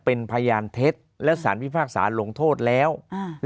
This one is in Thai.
เป็นพยานเท็จและสารพิพากษาลงโทษแล้วอ่า